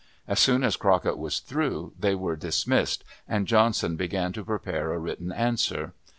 As soon as Crockett was through, they were dismissed, and Johnson began to prepare a written answer.